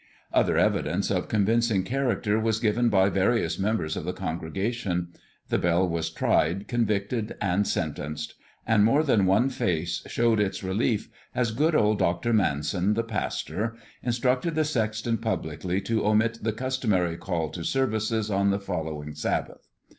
Other evidence of convincing character was given by various members of the congregation; the bell was tried, convicted and sentenced; and more than one face showed its relief as good old Dr. Manson, the pastor, instructed the sexton publicly to omit the customary call to services on the following Sabbath.